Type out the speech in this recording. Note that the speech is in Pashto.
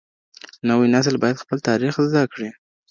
نوی نسل بايد خپل تاريخ زده کړي.